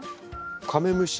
カメムシ。